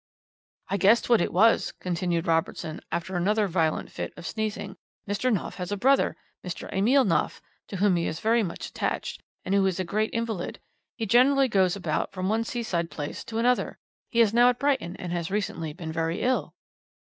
"'I guessed what it was,' continued Robertson after another violent fit of sneezing. 'Mr. Knopf has a brother, Mr. Emile Knopf, to whom he is very much attached, and who is a great invalid. He generally goes about from one seaside place to another. He is now at Brighton, and has recently been very ill.